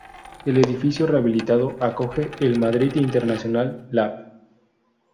El edificio, rehabilitado, acoge el Madrid International Lab.